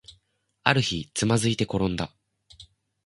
ある日、つまずいてころんだ